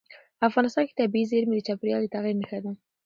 افغانستان کې طبیعي زیرمې د چاپېریال د تغیر نښه ده.